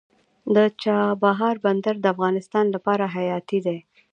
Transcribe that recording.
د چابهار بندر د افغانستان لپاره حیاتي دی